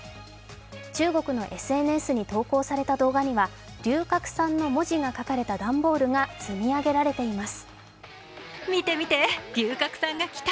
中国のＳＮＳに投稿された動画には龍角散の文字が書かれた段ボールが積み上げられています。